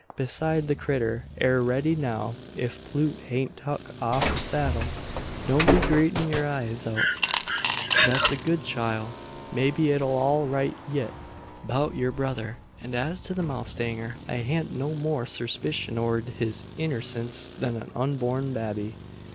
Beside, the critter air reddy now if Plute hain't tuk off the saddle. Don't be greetin' yur eyes out thet's a good chile! Maybe it'll be all right yit 'bout yur brother; and as to the mowstanger, I hain't no more surspishun o' his innersense than a unborn babby."